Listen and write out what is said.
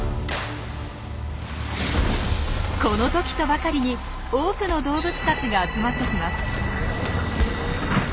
この時とばかりに多くの動物たちが集まってきます。